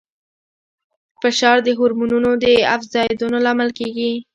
فشار د هورمونونو د افرازېدو لامل کېږي.